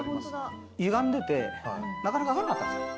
ゆがんでて、なかなか入んなかったんです。